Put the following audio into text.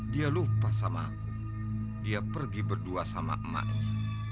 dia lupa sama aku dia pergi berdua sama emaknya